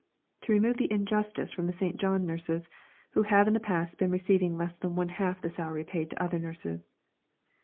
"To remove the 'injustice' from the St. John nurses, who have in the past been receiving less than one half the salary paid to other nurses."